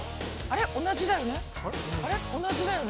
あれ同じだよね。